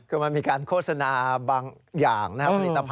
ก็มันมีการโฆษณาบางอย่างนะ